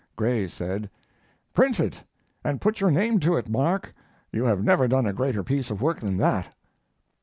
Gray said: "Print it and put your name to it, Mark. You have never done a greater piece of work than that."